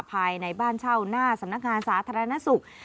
ภายในบ้านเช่าหน้าสำนักงานสาธารณสุข